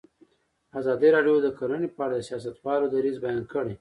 ازادي راډیو د کرهنه په اړه د سیاستوالو دریځ بیان کړی.